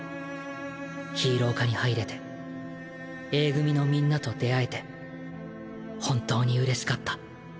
ヒーロー科に入れてＡ組のみんなと出会えて本当に嬉しかった。